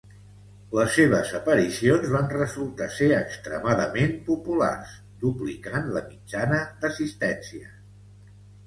Les seves aparicions van resultar ser extremadament populars, duplicant la mitjana d'assistències.